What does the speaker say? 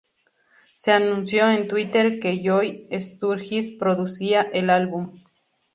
Se anunció en Twitter que Joey Sturgis produciría el álbum.